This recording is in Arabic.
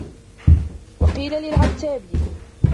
وَقِيلَ لِلْعَتَّابِيِّ